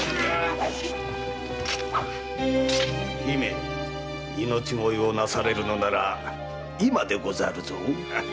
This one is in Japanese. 姫命乞いをなされるのなら今でござるぞ。